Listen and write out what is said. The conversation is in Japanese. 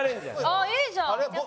あっいいじゃん。